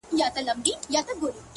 ياد مي دي تا چي شنه سهار كي ويل ـ